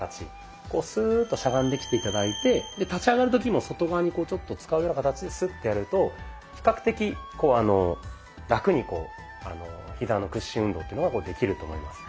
こうスーッとしゃがんできて頂いて立ち上がる時も外側にこうちょっと使うような形でスッてやると比較的ラクにひざの屈伸運動っていうのができると思います。